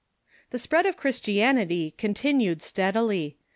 ] The spread of Christianity continued steadily.